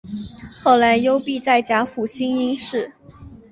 后来幽闭在甲府兴因寺。